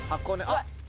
あっ。